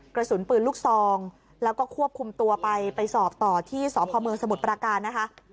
กระสุนปืนลูกซองแล้วก็ควบคุมตัวไปไปสอบต่อที่สพเมืองสมุทรปราการนะคะ